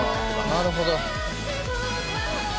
なるほど。